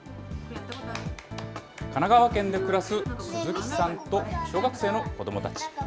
神奈川県で暮らす鈴木さんと小学生の子どもたち。